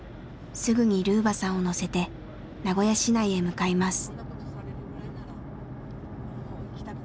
すぐにルーバさんを乗せて名古屋市内へ向かいます。